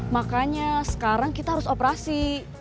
makanya sekarang kita harus operasi